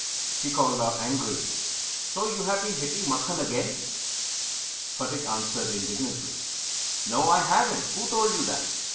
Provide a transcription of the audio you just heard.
She called out angrily: "So you have been hitting Makhan again?" Phatik answered indignantly: "No, I haven't; who told you that?"